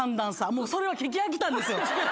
もうそれは聞き飽きたんですよ。